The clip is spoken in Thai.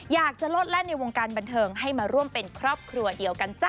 อยากจะโลดแล่นในวงการบันเทิงให้มาร่วมเป็นครอบครัวเดียวกันจ้ะ